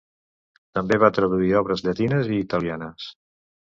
També va traduir obres llatines i italianes.